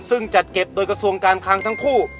ซึ่งจัดเก็บโดยกระทรวงการคังทั้งคู่